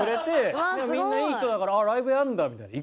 みんないい人だから「あっライブやるんだ」みたいな。